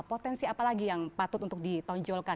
potensi apa lagi yang patut untuk ditonjolkan